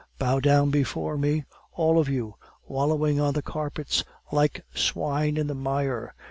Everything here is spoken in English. Bow down before me, all of you, wallowing on the carpets like swine in the mire!